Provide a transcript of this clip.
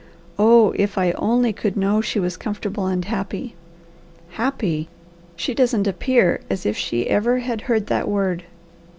Oh, if I only could know she was comfortable and happy! Happy! She doesn't appear as if she ever had heard that word.